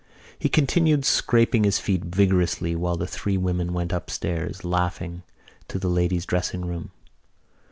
He continued scraping his feet vigorously while the three women went upstairs, laughing, to the ladies' dressing room.